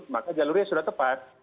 maka jalurnya sudah tepat